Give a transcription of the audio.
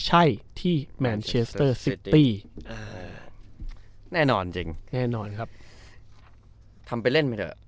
ใช่ที่แมนเชสเตอร์ซิตี้แน่นอนจริงแน่นอนครับทำไปเล่นไปเถอะ